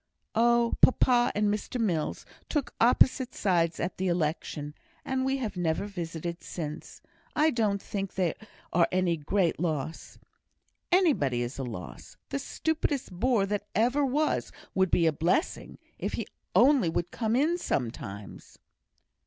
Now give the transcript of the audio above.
"Oh! papa and Mr Mills took opposite sides at the election, and we have never visited since. I don't think they are any great loss." "Anybody is a loss the stupidest bore that ever was would be a blessing, if he only would come in sometimes."